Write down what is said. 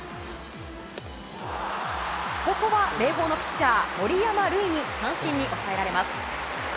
ここは明豊のピッチャー森山塁に三振に抑えられます。